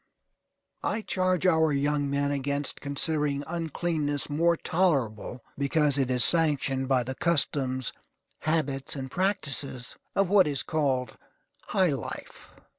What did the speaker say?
I charge our young men against considering uncleanness more tolerable, because it is sanctioned by the customs, habits, and practices of what is called high life.